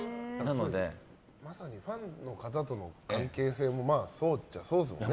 まさにファンの方との関係性もそうっちゃそうですね。